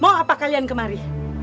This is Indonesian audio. mau apa kalian kemari